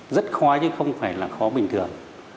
rất khó chứ không phải là khó bình thường